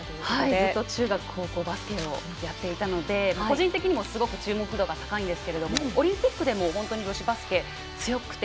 ずっと中学、高校バスケをやっていたのですごく注目度が高いんですけどオリンピックでも本当に女子バスケ強くて。